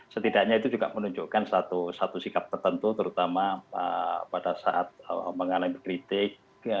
setidaknya itu juga menunjukkan satu sikap tertentu terutama pada saat mengalami kritik